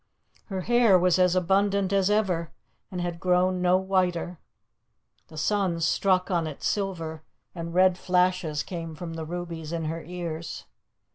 Her hair was as abundant as ever, and had grown no whiter. The sun struck on its silver, and red flashes came from the rubies in her ears.